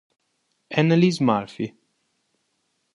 Annalise Murphy